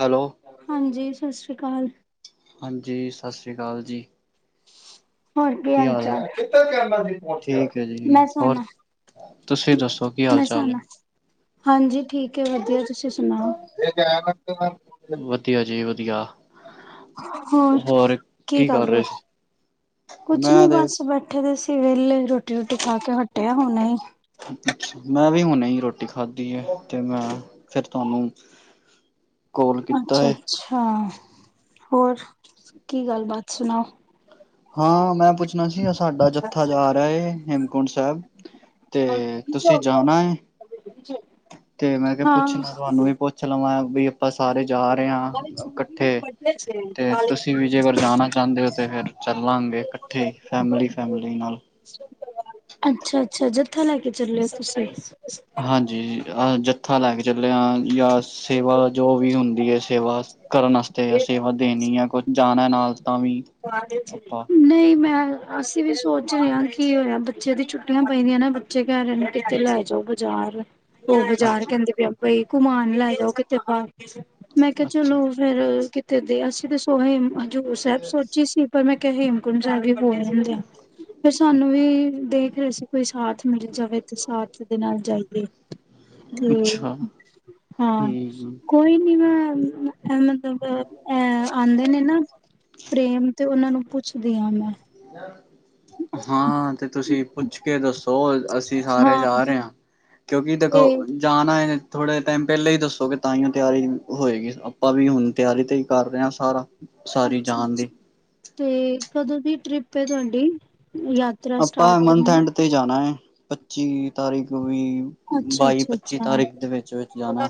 Hello. ਹਾਂਜੀ ਸਤਿ ਸ੍ਰੀ ਅਕਾਲ। ਹਾਂਜੀ ਸਤਿ ਸ਼੍ਰੀ ਅਕਾਲ ਜੀ। ਹੋਰ ਕੀ ਹਾਲ ਚਾਲ ਠੀਕ ਹੈ ਜੀ ਮੈਂ ਹੋਰ ਸੁਨ ਤੁਸੀਂ ਦੱਸੋ ਕੀ ਹਾਲ ਚਾਲ ਏ ਹਾਂਜੀ ਠੀਕ ਹੈ ਵਧੀਆ ਤੁਸੀਂ ਸੁਣਾਓ ਵਧੀਆ ਜੀ ਵਧੀਆ ਹੋਰ ਕੀ ਕਰ ਰਹੇ ਹੋ ਕੁੱਛ ਨੀ ਮੈਂ ਤੇ ਬਸ ਬੈ ਬੱਠੇ ਦੇ ਸੀ ਵੇਹਲੇ ਰੋਟੀ ਰੂਟੀ ਖਾ ਕੇ ਹੱਟਿਆ ਹੁਣੇ ਹੀ ਅੱਛਾ ਮੈਂ ਵੀ ਹੁਣੇ ਹੀ ਰੋਟੀ ਖਾਧੀ ਹੈ ਤੇ ਮੈਂ ਫਿਰ ਤੁਹਾਨੂੰ [inaudible] ਕੀਤਾ ਅੱਛਾ ਹੈ ਅੱਛਾ ਹੋਰ ਕੀ ਗੱਲ ਬਾਤ ਸੁਣਾਓ ਹਾਂ ਮੈਂ ਪੁੱਛਣਾ ਸੀਗਾ ਸਾਡਾ ਜੱਥਾ ਜਾ ਰਿਹਾ ਹੈ ਹੇਮਕੁੰਟ ਸਾਹਿਬ ਤੇ ਤੁਸੀਂ ਜਾਣਾ ਏ [unintelligible] ਤੇ ਮੈਂ ਕਿਹਾ ਹਾਂ ਪੁੱਛਣਾ ਤੁਹਾਨੂੰ ਵੀ ਪੁੱਛ ਲਵਾਂ ਬਈ ਆਪਾਂ ਸਾਰੇ ਜਾ ਰਹੇ ਹਾਂ ਇਕੱਠੇ ਤੇ ਤੁਸੀਂ ਵੀ ਜੇ ਅਗਰ ਜਾਣਾ ਚਾਹੁੰਦੇ ਹੋ ਤੇ ਫਿਰ ਚੱਲਾਂਗੇ ਇਕੱਠੇ ਹੀ ਫੈਮਿਲੀ ਫੈਮਿਲੀ ਨਾਲ ਅੱਛਾ ਅੱਛਾ ਜੱਥਾ ਲੈ ਕੇ ਚੱਲੇ ਹੋ ਤੁਸੀਂ ਹਾਂਜੀ ਜੀ ਅ ਜੱਥਾ ਲੈ ਕੇ ਚੱਲੇ ਹਾਂ ਯਾ ਸੇਵਾ ਜੋ ਵੀ ਹੁੰਦੀ ਹੈ ਸੇਵਾ ਕਰਨ ਆਸਤੇ ਯਾਂ ਸੇਵਾ ਦੇਣੀ ਹੈ ਕੁਝ ਜਾਣਾ ਹੈ ਨਾਲ ਤਾਂ ਵੀ ਆਪਾਂ ਨਹੀਂ ਮੈਂ ਅਸੀਂ ਵੀ ਸੋਚ ਰਹੇ ਹਾਂ ਕੀ ਹੋਇਆ ਬੱਚੇ ਦੀ ਛੁੱਟੀਆਂ ਪਈ ਦੀਆਂ ਨਾ ਬੱਚੇ ਕਹਿ ਰਹੇ ਨੇ ਕਿਤੇ ਲੈ ਜਾਓ ਬਾਜ਼ਾਰ ਉਹ ਬਾਜ਼ਾਰ ਅੱਛਾ ਕਹਿੰਦੇ ਪਿਆਂ ਬਈ ਘੁਮਾਨ ਲੈ ਜਾਓ ਕਿਥੇ ਬਾਹਰ ਮੈਂ ਕਿਹਾ ਅੱਛਾ ਚਲੋ ਫੇਰ ਕਿਤੇ ਦਿਆ ਅਸੀ ਤੇ [unintelligible] ਹਜ਼ੂਰ ਸਾਹਿਬ ਸੋ ਸੀ ਪਰ ਮੈਂ ਕਿਹਾ ਹੇਮਕੁੰਟ ਸਾਹਿਬ ਵੀ ਬੋਲ [unintelligible] ਫਿਰ ਸਾਨੂੰ ਵੀ ਦੇਖ ਰਹੇ ਸੀ ਕੋਈ ਸਾਥ ਮਿਲ ਜਾਵੇ ਤੇ ਸਾਥ ਦੇ ਨਾਲ ਜਾਈਏ ਅੱਛਾ ਠੀਕ ਹਾਂ ਹੂੰ ਕੋਈ ਨੀ ਮੈ ਮ ਮਤਲਬ ਐ ਆਉਂਦੇ ਨੇ ਨਾ ਪ੍ਰੇਮ ਤੇ ਉਹਨਾਂ ਨੂੰ ਪੁੱਛਦੀ ਹਾਂ ਮੈਂ [unintelligible] ਹਾਂ ਤੇ ਤੁਸੀਂ ਪੁੱਛ ਕੇ ਦੱਸੋ ਅਸੀਂ ਸਾਰੇ ਜਾ ਰਹੇ ਹਾਂ ਕਿਉਂਕਿ ਤੇ ਦੇਖੋ ਜਾਣਾ ਹੈ ਥੋੜ੍ਹੇ ਟਾਈਮ ਪਹਿਲੇ ਹੀ ਦੱਸੋਗੇ ਤਾਂ ਹੀ ਓ ਤਿਆਰੀ ਹੋਏਗੀ ਆਪਾਂ ਵੀ ਹੁਣ ਤਿਆਰੀ ਤੇ ਹੀ ਕਰ ਰਿਹਾਂ ਸਾਰਾ ਸਾਰੀ ਅੱਛਾ ਜਾਣ ਦੀ। ਅੱਛਾ ਤੇ ਕਦੋਂ ਦੀ ਟ੍ਰਿਪ ਹੈ ਤੁਹਾਡੀ ਯਾਤ ਆਪਾਂ ਮੰਥ ਐਂਡ ਤੇ ਜਾਣਾ ਹੈ ਪੱਚੀ ਤਾਰੀਕ ਵੀ ਬਾਈ ਪੱਚੀ ਅੱਛਾ-ਅੱਛਾ-ਅੱਛਾ, ਅੱਛਾ-ਅੱਛਾ। ਤਾਰੀਕ ਦੇ ਵਿੱਚ ਵਿੱਚ ਜਾਣਾ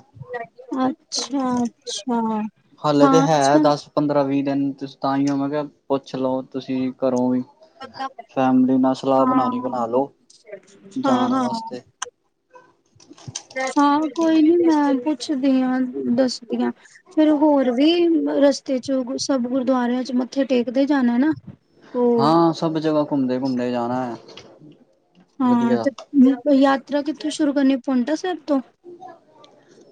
ਅੱਛਾ ਅੱਛਾ ਹਲੇ ਤੇ ਹੈ ਦਸ ਪੰਦਰਾਂ ਵੀਹ ਦਿਨ ਤੁਸੀ ਤਾਂ ਹੀਓ ਮੈਂ ਕਿਹਾ ਪੁੱਛ ਲਓ ਤੁਸੀਂ ਘਰੋਂ ਵੀ ਫੈਮਲੀ ਨਾਲ ਸਲਾਹ ਬਣਾਉਣੀ ਬਣਾ ਹਾਂ ਲੋੋ ਜਾਣ ਹਾਂ ਵਾਸਤੇ [inaudible] ਹਾਂ ਕੋਈ ਨੀ ਮੈਂ ਪੁੱਛਦੀ ਹਾਂ ਦੱਸਦੀ ਹਾਂ ਫੇਰ ਹੋਰ ਵੀ ਰਸਤੇ ਚ ਗੁ ਸਬ ਗੁਰਦੁਆਰਿਆਂ ਚ ਮੱਥੇ ਟੇਕਦੇ ਜਾਣਾ ਹੈ ਨਾ ਉਹ ਹਾਂ ਸਭ ਜਗ੍ਹਾ ਘੁੰਮਦੇ ਘੁੰਮਦੇ ਜਾਣਾ ਹੈ ਹਾਂ ਵਧੀਆ। ਤੇ [unintelligible] ਯਾਤਰਾ ਕਿੱਥੋਂ ਸ਼ੁਰੂ ਕਰਨੀ ਪੋਂਟਾ ਸਾਹਿਬ ਤੋਂ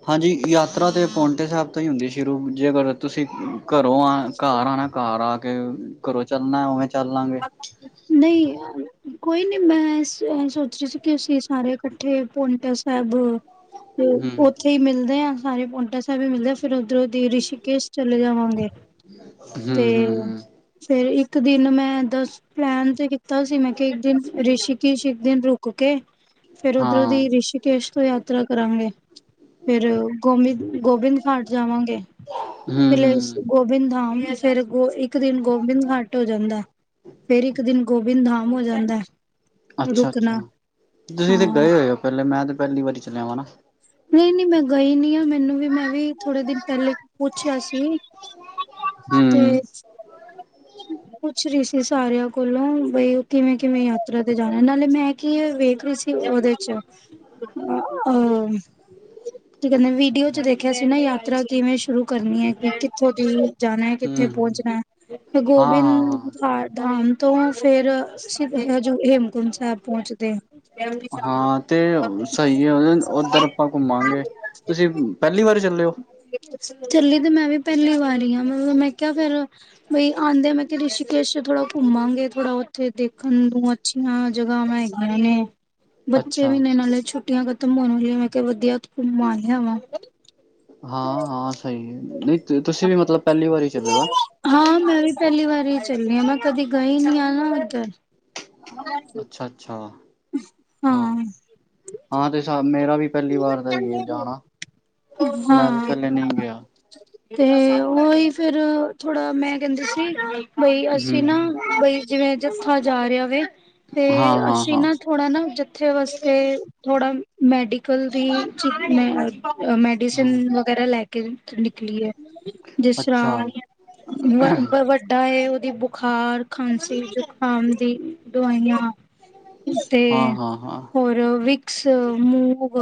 ਹਾਂਜੀ ਯਾਤਰਾ ਤੇ ਪੋਂਟੇ ਸਾਹਿਬ ਤੋਂ ਹੀ ਹੁੰਦੀ ਸ਼ੁਰੂ ਜੇਕਰ ਤੁਸੀਂ ਘਰੋਂ ਆ, ਘੱਰ ਆਣਾ, ਘੱਰ ਆ ਕੇ, ਘਰੋਂ ਚੱਲਣਾ ਉਵੇਂ ਚੱਲ ਲਾਂਗੇ। ਨਈ, ਕੋਈ ਨੀ ਮੈਂ ਸ, ਸੋਚ ਰੀ ਸੀ ਕਿ ਅਸੀਂ ਸਾਰੇ ਕੱਠੇ ਪੋਨੀਟਰ ਸੈਬ ਅ [unintelligible] ਤੇ ਉੱਥੇ ਈ ਮਿਲਦੇ ਆ ਸਾਰੇ, ਪੋਟਾ ਸਾਈਬ ਈ ਮਿਲਦੇ ਫਿਰ ਉਧਰੋਂ ਦੇ ਰਿਸ਼ੀਕੇਸ਼ ਚਲੇ ਜਾਵਾਂਗੇ, ਹੂੰ ਤੇ ਹੂੰ ਹੂੰ ਫੇਰ ਇੱਕ ਦਿਨ ਮੈ ਦਸ, ਪਲੈਨ ਤੇ ਕੀਤਾ ਸੀ ਮੈਂ ਕੇ ਇੱਕ ਦਿਨ ਰਿਸ਼ਿਕਸ਼ ਇੱਕ ਦਿਨ ਰੁਕ ਕੇ ਫੇਰ ਓਧਰੋਂ ਹਾਂ ਦੀ ਰਿਸ਼ੀਕੇਸ਼ ਤੋਂ ਯਾਤਰਾ ਕਰਾਗੇ ਫੇਰ, ਗੋਸਿੰਦ, ਗੋਬਿੰਦ ਘਾਟ ਜਾਵਾਗੇ, ਹੂੰ ਫਿਰ ਹੂੰ ਲੇਸ ਗੋਬਿੰਦ ਧਾਮ ਯਾਂ ਫੇਰ ਗੋ ਇੱਕ ਦਿਨ ਗੋਬਿੰਦ ਘਾਟ ਹੋ ਜਾਂਦਾ ਫੇਰ ਇੱਕ ਦਿਨ ਗੋਬਿੰਦ ਧਾਮ ਹੋ ਜਾਂਦਾ। ਅੱਛਾ-ਅੱਛਾ, ਰੁਕਣਾ ਤੁਸੀਂ ਤੇ ਹਾਂ ਗਏ ਹੋਏ ਅੋ ਪੈਲੇ, ਮੈਂ ਤੇ ਪੈਲੀ ਵਾਲੀ ਚਲਾ ਵਾਂ ਨਾ ਨਈ-ਨਈ ਮੈਂ ਗਈ ਨੀ ਆ, ਮੈਨੂੰ ਵੀ ਮੈਂ ਵੀ ਥੋੜੇ ਦਿਨ ਪੈਲੇ ਪੁੱਛੇਆ ਸੀ। ਹੂੰ ਤੇ ਪੁੱਛ ਰੀ ਸੀ ਸਾਰੇਆ ਕੋਲੋ ਬਈ ਕਿਵੇ-ਕਿਵੇ ਯਾਤਰਾ ਤੇ ਜਾਣਾ, ਨਾਲੇ ਮੈਂ ਕੀ ਵੇਖ ਰਈ ਸੀ, ਓਦੇ ਚ ਅ, ਕਿ ਕੈੰਦੇ, ਵੀਡੀਓ ਚ ਦੇਖੇਆ ਸੀ ਨਾ ਯਾਤਰਾ ਕਿਵੇਂ ਸ਼ੁਰੂ ਕਰਨੀ ਐ, ਕਿੱਥੋਂ ਦੀ ਜਾਣਾ, ਕਿੱਥੇ ਹੂੰ ਪੋਚਣੈ, ਫੇ ਹਾਂ ਗੋਬਿੰਦ ਹਾਂ। ਘਾਡ ਡਾਮ ਤੋਂ ਆ, ਫੇਰ ਸ਼ਿਵਪੋਲੇ ਜ ਹੇਮਕੁੰਡ ਸੈਬ ਪੋਚਦੇ ਹਾਂ, ਤੇ ਅ ਸਈ ਆ ਉੱਧਰ ਅਪਾਂ ਘੁੰਮਾਂਗੇ ਤੁਸੀਂ ਪੈਲੀ ਵਾਰ ਚਲੇਓ ਚੱਲੀ ਤੇ ਮੈਂ ਵੀ ਪੈਲੀ ਵਾਰ ਈ ਆ, ਮ ਮੈਂ ਕੇਆ ਫੇਰ ਫੇ ਆਦੇ, ਮੈਂ ਕਿਆ ਰਿਸ਼ੀਕੇਸ਼ ਥੋੜਾ ਘੁੰਮਾਂਗੇ ਥੋੜਾ ਉੱਥੇ ਦੇਖਣ ਨੂੰ ਆ ਸ਼ਿਣਾ ਜਗਾਵਾ ਹੈਗੀਆ ਨੇ ਬੱਚੇ ਅੱਛਾ ਵੀ ਨੇ ਨਾਲੇ, ਛੁੱਟੀਆਂ ਖ਼ਤਮ ਹੋਣ ਵਾਲੀਆ, ਮੈਂ ਕਿਆ ਵਧੀਆ ਘੁੰਮਾ ਲੇਆ ਵਾਂ ਹਾਂ-ਹਾਂ ਸਈ ੲੈ, ਨਈ ਤੁਸੀਂ ਵੀ ਮਤਲਬ ਪੈਲੀ ਵਾਰੀ ਚੱਲੇਓ, ਅ ਹਾਂ, ਮੈਂ ਵੀ ਪੈਲੀ ਵਾਰੀ ਚੱਲੀ ਆਂ, ਮੈਂ ਕਦੀ ਗਈ ਨੀ ਆ ਨਾ ਓਧਰ। ਅੱਛਾ-ਅੱਛਾ, ਹਾਂ, ਆਂ ਤੇ ਸਾਬ ਮੇਰਾ ਵੀ ਪੈਲੀ ਵਾਰ ਦਾ ਈਏ ਜਾਣਾ, ਮੈਂ ਵੀ ਹਾਂ ਪੈਲੇ ਨਈ ਗੇਆ ਤੇ, ਓਈ ਫੇਰ ਥੋੜਾ ਮੈਂ ਕੈੰਦੇ ਸੀ ਬਈ ਅਸੀਂ ਨਾ, ਹੂੰ ਬਈ ਜਿਵੇਂ ਜਥਾ ਜਾ ਰੇਆ ਵੇ, ਤੇ ਹਾਂ ਹਾਂ ਅਸੀ ਹਾਂ। ਨਾ ਥੋੜਾ ਨਾ ਜੱਥੇ ਵਾਸਤੇ, ਥੋੜਾ, ਮੈਡੀ ਕਲ, ਦੀ, ਮੈ, ਅ ਮੈਡੀਸਨ ਹੂੰ ਵਗੈਰਾ, ਲੈ ਕੇ ਨਿਕਲੀ ਏ ਜਿਸ ਅੱਛਾ ਤਰਾਂ, ਵ, ਬ, ਵਡ ਡਾਏ, ਓਦੀ ਬੁਖਾਰ ਖਾਂਸੀ, ਜੁਕਾਮ ਦੀ ਦਵਾਈਆਂ ਹਾਂ ਤੇ, ਹਾਂ ਹਾਂ ਹੋਰ ਵਿਕਸ, ਮੂਵ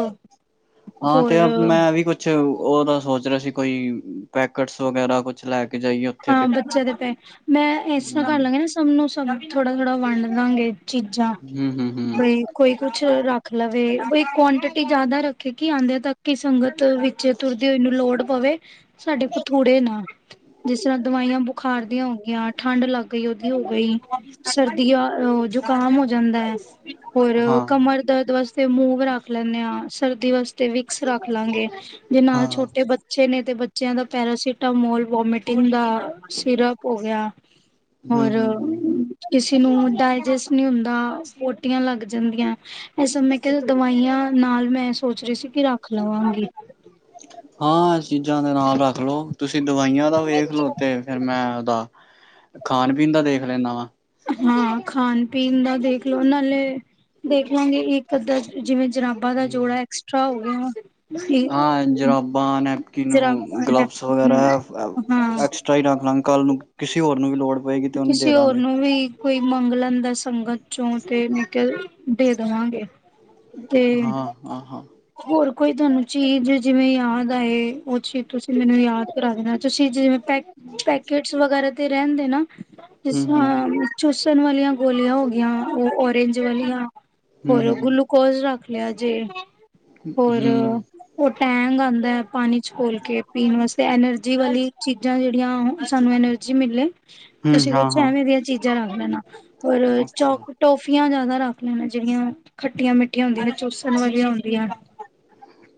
ਹਾਂ, ਤੇਆ ਹੋਰ ਮੈਂ ਵੀ ਕੁ ਛ, ਓ ਤਾਂ ਸੋਚ ਰੇਆ ਸੀ ਕੋਈ, ਪੈਕਟਸ ਵਗੈਰਾ ਕੋਛ ਲੈ ਕੇ ਜਾਈਏ ਉੱਥੇ ਤੇ ਹਾਂ ਬੱਚੇਆਂ ਦੇ ਪੇ, ਮੈਂ ਏਸ ਤਰਾਂ ਕੱਰ ਹੂੰ, ਲਾਂਗੇ ਨਾ ਸਭ ਨੂੰ ਸਭ ਥੋੜਾ-ਥੋੜਾ ਵਾਡ ਦਾਂਗੇ ਚੀਜਾ, ਹੂੰ, ਹੂੰ, ਹੂੰ, ਬਈ ਕੋਈ ਕੁਛ ਰੱਖ ਲਵੇ, ਬਈ ਕੁਟਟੀ ਜਾਦਾ ਰੱਖੇ ਕੀ ਆਦੇਆ ਤੱਕ ਕਿ ਸੰਗਤ ਵਿੱਚ ਤੁਰਦੇ ਹੋਏ ਨੂੰ ਲੋੜ ਪਵੇ, ਸਾਡੇ ਕੋ ਥੂੜੇ ਨਾ। ਜਿਸ ਤਰਾਂ ਦਵਾਈਆਂ ਬੁਖਾਰ ਦੀਆਂ ਹੋ ਗਿਆਂ, ਠੰਢ ਲੱਗ ਗਈ ਉਦੀ ਹੋ ਗਈ ਸਰਦੀਆਂ ਅ ਜ਼ੁਕਾਮ ਹੋ ਜਾਂਦੈ, ਅੋਰ ਹਾਂ, ਕਮਰ ਦਰਦ ਵਸ ਫੇ ਮੂੰਵ ਰੱਖ ਲੈਂਣੇ ਆ, ਸਰਦੀ ਵਸਤੇ ਵਿਕਸ ਰੱਖ ਲਾਂਗੇ, ਜੇ ਹਾਂ। ਨਾਲ ਛੋਟੇ ਬ ਚੇ ਨੇ ਤੇ ਬੱਚੇਆਂ ਦਾ ਪੈਰਾਸੀਟਾਮੋਲ ਵੋਮਟਿੰਗ ਦਾ ਸਿਰਪ ਹੋ ਗੇਆ। ਹੂੰ, ਹੋਰ ਹੂੰ, ਹੂੰ, ਹੂੰ। ਕਿਸੇ ਨੂੰ ਡਾਇਜੈਸਟ ਨਈ ਹੁੰਦਾ ਪੋਟੀਆਂ ਲੱਗ ਜਾਂਦੀਆਂ। ਇਸ ਸਮੇਂ ਕਿ ਦਵਾਈਆਂ ਨਾਲ ਮੈਂ ਸੋਚ ਰਈ ਸੀ ਕਿ ਰੱਖ ਲਵਾਂਗੀ। ਹਾਂ ਐ ਚੀਜ਼ਾਂ ਦੇ ਨਾਲ ਰੱਖ ਲਓ। ਤੁਸੀ ਦਵਾਈਆਂ ਦਾ ਵੇਖ ਲਓ ਤੇ ਫਿਰ ਮੈਂ ਉਦਾ ਖਾਣ ਪੀਣ ਦਾ ਦੇਖ ਲੈਂਣਾ ਵਾਂ। ਹਾਂ ਖਾਣ -ਪੀਣ ਦਾ ਦੇਖਲੋ ਨਾ ਨਾਲੇ ਦੇਖ ਲਾਂਗੇ ਇੱਕ ਅੱਧਾ ਜਿਵੇਂ ਜਰਾਬਾਂ ਦਾ ਹੂੰ। ਜੋੜਾ ਐਕਸਟਰਾ ਹੋ ਗਿਆ। ਤੇ ਹਾਂ ਜੁਰਾਬਾਂ ਨੈਪਕਿਨ ਜਰਾਬਾਂ ਗਲਵਸ ਵਗੈਰਾ ਨੈਪਕਿਨ ਐ ਹਾਂ ਐਕਸ ਚਾਈਂ ਰੱਖ ਲਾਂਗੇ ਕੱਲ ਨੂੰ ਕਿਸੇ ਹੋਰ ਨੂੰ ਵੀ ਲੋੜ ਪਏਗੀ ਤੇ ਉਹਨੂੰ ਦੇ ਕਿਸੇ ਹੋਰ ਦਾਂਗੇ। ਨੂੰ ਵੀ ਕੋਈ ਮੰਗ ਲੈਂਦਾ ਸੰਗਤ 'ਚੋਂ ਤੇ ਮੈਂ ਕਿਆ ਦੇ ਦੇਵਾਂਗੇ। ਤੇ ਹਾਂ, ਹਾਂ, ਹਾਂ, ਹੋਰ ਕੋਈ ਤੁਹਾਨੂੰ ਚੀਜ਼ ਜਿਵੇਂ ਯਾਦ ਆਏ ਓ ਚੀਜ਼ ਤੁਸੀਂ ਮੈਨੂੰ ਯਾਦ ਕਰਾ ਦੇਣਾ ਚੀਜ਼ ਜਿਵੇਂ ਪੈਕ ਪੈਕੇਟਸ ਵਗੈਰਾ ਤੇ ਰੈਂ ਦੇਨਾ। ਜਿਸ ਹੂੰ, ਹੂੰ, ਤਰ੍ਹਾਂ ਚੂਸਣ ਵਾਲੀਆਂ ਗੋਲੀਆਂ ਹੋ ਗਈਆਂ ਓ ਓਰੇਂਜ ਵਾਲੀਆਂ ਹੂੰ, ਹੋਰ ਹੂੰ, ਗਲੂਕੋਜ ਰੱਖ ਲਿਆ ਜੇ ਹੋਰ ਹੂੰ, ਓ ਟੈਂਗ ਆਂਦਾ ਐ ਪਾਣੀ 'ਚ ਖੋਲ ਕੇ ਪੀਣ ਵਾਸਤੇ ਐਨਰਜੀ ਵਾਲੀ ਚੀਜ਼ਾਂ ਜੇੜੀਆਂ ਸਾਨੂੰ ਐਨਰ ਜੀ ਮਿਲੇ ਹੂੰ, ਤੁਸੀ ਹਾਂ, ਕੁਛ ਹਾਂ ਐਵੇਂ ਦੀਆਂ ਚੀਜ਼ਾਂ ਰੱਖ ਲੈਣਾ ਔਰ ਅੱਛਾ। ਚੋਕ ਟੋਫੀਆਂ ਜਾਦਾ ਰੱਖ ਲੈਣਾ ਜੇੜੀਆਂ ਖੱਟੀਆਂ ਮਿੱਠੀਆਂ ਹੁੰਦੀਆਂ ਨੇ ਚੂਸਣ ਵਾਲੀਆ ਹੁੰਦੀਆਂ।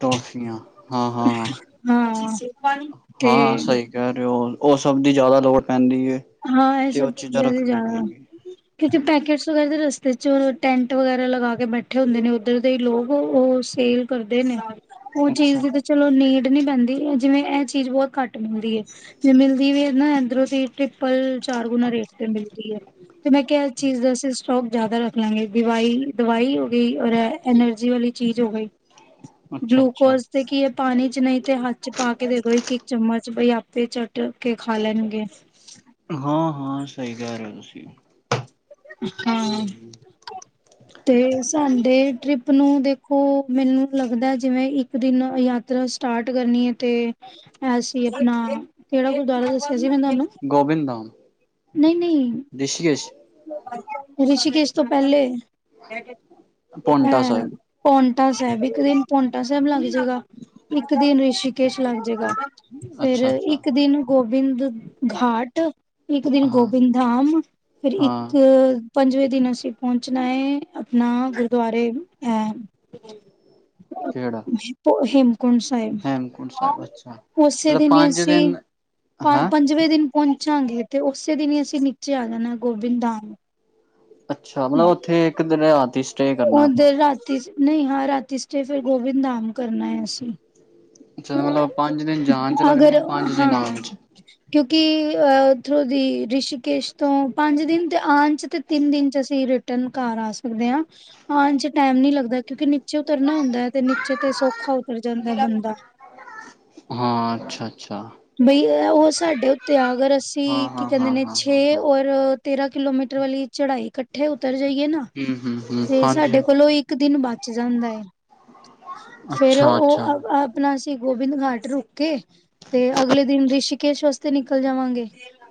ਟੋਫੀਆਂ ਹਾਂ ਤੇ ਹਾਂ-ਹਾਂ-ਹਾਂ-ਹਾਂ ਸਈ ਕੈ ਰਏ ਓ-ਓ ਸਬ ਦੀ ਜਾਦਾ ਲੋੜ ਪੈਂਦੀ ਏ। ਹਾਂ ਐ ਸਭ ਚੀਜਾਂ ਜਾਦਾ ਕਿਤੇ ਪੈਕਟਸ ਵਗੈਰਾ ਦੇ ਰਸਤੇ 'ਚ ਟੈਂਟ ਵਗੈਰਾ ਲਗਾ ਕੇ ਬੈਠੇ ਹੁੰਦੇ ਨੇ ਉੱਧਰ ਦੇ ਈ ਲੋਗ ਓ ਸੇਲ ਕਰਦੇ ਨੇ ਓ ਅੱਛਾ ਚੀਜ਼ ਦੀ ਤਾਂ ਚਲੋ ਨੀਡ ਨੀ ਪੈਂਦੀ ਜਿਵੇਂ ਐ ਚੀਜ਼ ਬੋਤ ਘੱਟ ਮਿਲਦੀ ਏ ਜੇ ਮਿਲਦੀ ਵੀ ਨਾ ਇਧਰੋ ਦੀ ਟ੍ਰਿਪਲ ਚਾਰ ਗੁਣਾ ਰੇਟ ਤੇ ਮਿਲਦੀ ਏ। ਤੇ ਮੈਂ ਕਿਆ ਚੀਜ਼ ਦਾ ਅਸੀ ਸਟੋਕ ਜਾਦਾ ਰੱਖ ਲਾਂਗੇ ਦਵਾਈ-ਦਵਾਈ ਹੋ ਗਈ ਔਰ ਐ ਐਨਰਜੀ ਵਾਲੀ ਚੀਜ਼ ਹੋ ਗਈ ਅੱਛਾ ਅੱਛਾ ਗਲੂਕੋਜ ਤੇ ਕੀ ਏ ਪਾਣੀ 'ਚ ਨਈ ਤੇ ਹੱਥ 'ਚ ਪਾ ਕੇ ਦੇ ਦੋ ਇੱਕ-ਇੱਕ ਚਮਚ ਬਈ ਆਪੇ ਚਟ ਕੇ ਖਾ ਲੈਣਗੇ। ਹਾਂ-ਹਾਂ ਸਈ ਕਹਿ ਰਏ ਓ ਤੁਸੀ ਹਾਂ [inaudible] ਤੇ ਸਾਡੇ ਟ੍ਰਿਪ ਨੂੰ ਦੇਖੋ ਮੈਨੂੰ ਲੱਗਦਾ ਜਿਵੇ ਇੱਕ ਦਿਨ ਨੂੰ ਯਾਤਰਾ ਸਟਾਰਟ ਕਰਨੀ ਏ ਤੇ ਅਸੀ ਆਪਣਾ ਕੇੜਾ ਗੁਰਦੁਆਰਾ ਦੱਸਿਆ ਸੀ ਮੈਂ ਤੁਹਾਨੂੰ ਗੋਬਿੰਦ ਧਾਮ। ਨਈ-ਨਈ ਰਿਸ਼ੀ ਕੇਸ਼। ਰਿਸ਼ੀ ਕੇਸ਼ ਤੋਂ ਪੈਲੇ ਪੋਂਟਾ ਐ। ਸਾਹਿਬ ਪੋਂਟਾ ਸਾਹਿਬ ਇੱਕ ਦਿਨ ਪੋਂਟਾ ਸਾਹਿਬ ਲੱਗ ਜਾਏਗਾ। ਇੱਕ ਦਿਨ ਰਿਸ਼ੀਕੇਸ਼ ਲੱਗ ਜਾਏਗਾ ਫੇਰ ਅੱਛਾ ਅੱਛਾ ਇੱਕ ਦਿਨ ਗੋਬਿੰਦ ਘਾਟ ਇੱਕ ਦਿਨ ਹਾਂ ਗੋਬਿੰਦ ਧਾਮ ਫਿਰ ਇੱਕ ਹਾਂ ਪੰਜਵੇਂ ਦਿਨ ਅਸੀ ਪਹੁੰਚਣਾ ਐ ਆਪਣਾ ਗੁਰਦੁਆਰੇ ਹੈ। ਕੇੜਾ ਪੋ ਹਿੰਮ ਹੇਮ ਕੁੰਟ ਸਾਹਿਬ ਸਾਹਿਬ ਅੱਛਾ ਉਸੇ ਮਤਲਬ ਦਿਨ ਪੰਜ ਅਸੀ ਦਿਨ ਪੰਜ-ਪੰਜ ਹੈਂ ਪੰਜਵੇਂ ਦਿਨ ਪਹੁੰਚਾਂਗੇ ਤੇ ਉਸੇ ਦਿਨ ਈ ਅਸੀ ਨੀਚੇ ਆ ਜਾਣਾ ਗੋਬਿੰਦ ਦਾਮ ਅੱਛਾ ਮਤਲਬ ਓਥੇ ਇੱਕ ਦਿਨ ਰਾਤ‌ ਦੀ ਸਟੇਅ ਕਰਨਾ ਆਪਾਂ। ਉਧਰ ਰਾਤੀ, ਨ‌ਈ ਹਾਂ ਰਾਤੀ ਸਟੇਅ ਫੇਰ ਗੋਬਿੰਦ ਧਾਮ ਕਰਨਾ ਐ ਅਸੀਂ। ਅੱਛਾ ਮਤਲਬ ਪੰਜ ਦਿਨ ਜਾਣ ਚ ਲੱਗਣੇ ਅਗਰ ਆ ਪੰਜ ਦਿਨ ਹਾਂ ਆਣ ਚ। ਕਿਉਂਕਿ ਅਹ ਓਥੋਂ ਦੀ ਰਿਸ਼ੀਕੇਸ਼ ਤੋਂ ਪੰਜ ਦਿਨ ਤੇ ਆਣ ਚ ਤਿੰਨ ਦਿਨ ਚ ਅਸੀਂ ਰਿਟਰਨ ਘਰ ਆ ਸਕਦੇ ਆ, ਆਨ ਚ ਟਾਈਮ ਨੀ ਲੱਗਦਾ ਕਿਉਂਕਿ ਨੀਚੇ ਉਤਰਨਾ ਹੁੰਦੈ ਤੇ ਨੀਚੇ ਤੇ ਸੌਖਾ ਉਤਰ ਜਾਂਦੈ ਬੰਦਾ। ਹਾਂ ਅੱਛਾ-ਅੱਛਾ। ਬਈ ਅਹ ਓ ਸਾਡੇ ਓਥੇ ਅਗਰ ਅਸੀਂ ਹਾਂ ਕੀ ਹਾਂ ਕਹਿੰਦੇ ਹਾਂ ਨੇ ਹਾਂ ਹਾਂ ਛੇ ਹਾਂ ਔਰ ਤੇਰਾਂ ਕਿਲੋਮੀਟਰ ਵਾਲੀ ਚੜਾਈ ਕੱਠੇ ਉਤਰ ਜਾਈਏ ਨਾ ਹੂੰ-ਹੂੰ-ਹੂੰ, ਤੇ ਹਾਂਜੀ ਸਾਡੇ ਕੋਲੋਂ ਇੱਕ ਦਿਨ ਬਚ ਜਾਂਦਾ ਏ ਫੇਰ ਓ ਅੱਛਾ-ਅੱਛਾ, ਆਪਣਾ ਅਸੀਂ ਗੋਬਿੰਦ ਘਾਟ ਰੁਕੇ। ਤੇ ਅਗਲੇ ਦਿਨ ਰਿਸ਼ੀਕੇਸ਼ ਵਾਸਤੇ ਨਿਕਲ ਜਾਵਾਂਗੇ।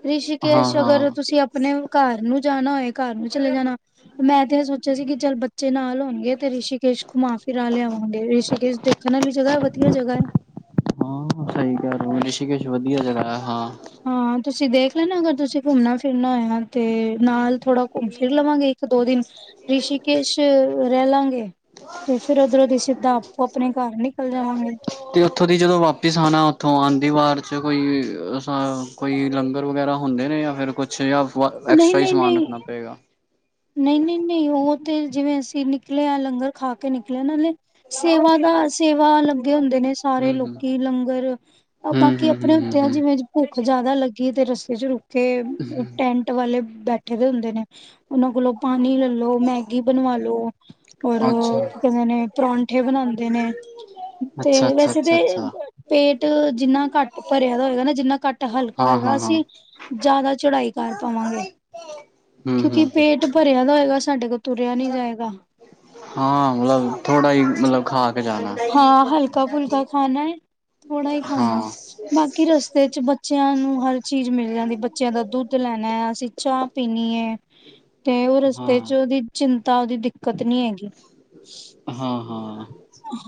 ਰਿਸ਼ੀਕੇਸ਼ ਹਾਂ-ਹਾਂ। ਅਗਰ ਤੁਸੀਂ ਆਪਣੇ ਘਰ ਨੂੰ ਜਾਣਾ ਹੋਏ ਘਰ ਨੂੰ ਚਲੇ ਜਾਣਾ। ਮੈਂ ਤੇ ਏਅ ਸੋਚਿਆ ਸੀ ਕਿ ਚੱਲ ਬੱਚੇ ਨਾਲ ਹੋਣਗੇ ਤੇ ਰਿਸ਼ੀਕੇਸ਼ ਘੁੰਮਾ ਫਿਰਾ ਲਿਆਵਾਂਗੇ ਰਿਸ਼ੀਕੇਸ਼ ਦੇ ਖਣ ਆਲੀ ਜਗਾ, ਵਧੀਆ ਜਗਾ ਐ। ਹਾਂ ਸਹੀ ਕਹਿ ਰਹੇ ਓ, ਰਿਸ਼ੀਕੇਸ਼ ਵਧੀਆ ਜਗ੍ਹਾ ਐ, ਹਾਂ। ਹਾਂ ਤੁਸੀਂ ਦੇਖ ਲੈਣਾ ਅਗਰ ਤੁਸੀਂ ਘੁੰਮਣਾ ਫਿਰਨਾ ਹੋਇਆ ਤੇ ਨਾਲ ਥੋੜਾ ਘੰਮ ਫਿਰ ਲਵਾਂਗੇ। ਇੱਕ-ਦੋ ਦਿਨ, ਰਿਸ਼ੀਕੇਸ਼ ਰਹਿ ਲਾਗੇ। ਤੇ ਫੇਰ ਓਧਰੋਂ ਦੀ ਸਿੱਧਾ ਆਪੋ ਆਪਣੇ ਘਰ ਨਿਕਲ ਜਾਵਾਂਗੇ। ਤੇ ਓਥੋਂ ਦੀ ਜਦੋਂ ਵਾਪਿਸ ਆਣਾ ਓਥੋਂ ਆਦੀ ਵਾਰ ਚ ਕੋਈ ਅਹ ਕੋਈ ਲੰਗਰ ਵਗੈਰਾ ਹੁੰਦੇ ਨੇ ਜਾਂ ਫੇਰ ਕੁਛ ਜਾਂ ਅ ਐਕਸਟਰਾ ਈ ਸਮਾਨ ਰੱਖਣਾ ਪਏਗਾ। ਨ‌ਈ, ਨ‌ਈ, ਨ‌ਈ ਓ ਤੇ ਜਿਵੇਂ ਅਸੀਂ ਨਿਕਲੇ ਆ ਲੰਗਰ ਖਾ ਕੇ ਨਿਕਲੇ ਆ ਨਾਲੇ ਸੇਵਾ ਦਾ ਸੇਵਾ ਲੱਗੇ ਹੁੰਦੇ ਨੇ ਸਾਰੇ ਹੂੰ-ਹੂੰ, ਲੋਕੀ ਲੰਗਰ ਹੂੰ-ਹੂੰ-ਹੂੰ-ਹੂੰ, ਹੂੰ ਬਾਕੀ ਆਪਣੇ ਉੱਤੇ ਆ ਹੂੰ ਜਿਵੇਂ ਭੁੱਖ ਜਾਦਾ ਲੱਗੀ ਤੇ ਰਸਤੇ ਚ ਰੁੱਕੇ, ਹੂੰ ਹੂੰ ਟੈਂਟ ਵਾਲੇ ਬੈਠੇ ਦੇ ਹੁੰਦੇ ਨੇ‌। ਓਨਾਂ ਕੋਲੋਂ ਪਾਣੀ ਲੈ ਲੋ, ਮੈਗੀ ਬਣਵਾ ਲੋ ਔਰ ਹੂੰ ਅੱਛਾ। ਕੀ ਕਹਿੰਦੇ ਨੇ। ਪਰੌਠੇ ਬਣਾਦੇ ਨੇ, ਤੇ ਵੈਸੇ ਤੇ ਅੱਛਾ-ਅੱਛਾ-ਅੱਛਾ-ਅੱਛਾ, ਪੇਟ ਜਿੰਨਾ ਘੱਟ ਭਰਿਆ ਦਾ ਹੋਏਗਾ ਨਾ ਜਿੰਨਾ ਘੱਟ ਹਲਕਾ ਹੋਏਗਾ ਹਾਂ-ਹਾਂ-ਹਾਂ, ਅਸੀਂ ਜਾਦਾ ਚੜਾਈ ਕਰ ਪਾਵਾਂਗੇ। ਕਿਉਂਕਿ ਹੂੰ-ਹੂੰ। ਹਾਂ ਪੇਟ ਭਰਿਆ ਦਾ ਹੋਏਗਾ ਸਾਡੇ ਕੋਲ ਤੁਰਿਆ ਨੀ ਜਾਏਗਾ। ਹਾਂ ਮਤਲਬ ਥੋੜਾ ਈ ਮਤਲਬ ਖਾ ਕੇ ਜਾਣਾ। ਹਾਂ ਹਲਕਾ ਫੁਲਕਾ ਖਾਣਾ ਹੈ ਥੋੜਾ ਈ ਹਾਂ, ਖਾਣਾ, ਹਾਂ, ਬਾਕੀ ਰਸਤੇ ਚ ਬ ਬੱਚਿਆਂ ਨੂੰ ਹਰ ਚੀਜ਼ ਮਿਲ ਜਾਂਦੀ ਬੱਚਿਆਂ ਦਾ ਦੁੱਧ ਲੈਣਾ ਏ ਐ, ਅਸੀਂ ਚਾਹ ਪੀਣੀ ਐ। ਤੇ ਓ ਹਾਂ-ਹਾਂ, ਰਸਤੇ ਹਾਂ। ਚ ਓਦੀ ਚਿੰਤਾ ਓਦੀ ਦਿੱਕਤ ਨੀ ਹੈਗੀ। ਹਾਂ।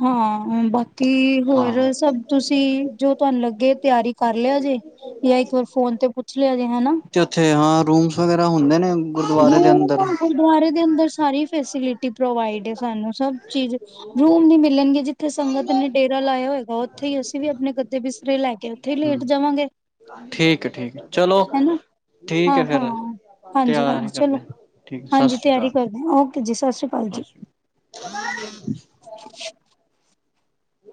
ਹਾਂ, ਊ ਬ ਬਾਕੀ ਹੋਰ ਹਾਂ ਸਭ ਤੁਸੀਂ ਜੋ ਤੁਹਾਨੂੰ ਲੱਗੇ ਤਿਆਰੀ ਕਰ ਲੇਆ ਜੇ। ਜਾਂ ਇੱਕ ਵਾਰ ਫੋਨ ਤੇ ਪੁੱਛ ਲੇਆ ਜੇ, ਹਨਾ? ਤੇ ਉੱਥੇ ਹਾਂ ਰੂਮਸ ਵਗੈਰਾ ਹੁੰਦੇ ਨੇ ਗੁਰਦੁਆਰੇ ਦੇ ਅੰਦਰ ਹੂੰ ਗੁਰਦੁਆਰੇ ਦੇ ਅੰਦਰ ਸਾਰੀ ਫੈਸਿਲਿਟੀ ਪ੍ਰੋਵਾਈਡ ਏ ਸਾਨੂੰ ਸਭ ਚੀਜ਼ ਰੂਮ ਵੀ ਮਿਲਣਗੇ ਜਿੱਥੇ ਸੰਗਤ ਨੇ ਡੇਰਾ ਲਾਇਆ ਹੋਏਗਾ ਓਥੇ ਈ ਅਸੀਂ ਵੀ ਆਪਣੇ ਗੱਦੇ ਬਿਸਰੇ ਲੈ ਕੇ ਓਥੇ ਈ ਲੇਟ ਜਾਵਾਂਗੇ। ਠੀਕ ਐ, ਠੀਕ ਐ ਚਲੋ ਠੀਕ ਹੈ ਹਾਂ-ਹਾਂ, ਫਿਰ ਹਾਂਜੀ-ਹਾਂਜੀ, ਤਿਆਰ ਚਲੋ ਕਰਦੇ ਠੀਕ ਸਤਿ ਹਾਂਜੀ ਸ਼੍ਰੀ ਤਿਆਰੀ ਅਕਾਲ ਕਰਦੇ ਓਕੇ ਜੀ ਸਤਿ ਸ੍ਰੀ ਸਤਿ ਸ਼੍ਰੀ ਕਾਲ। [inaudible]